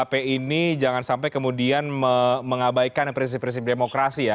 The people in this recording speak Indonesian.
tapi ini jangan sampai kemudian mengabaikan prinsip prinsip demokrasi ya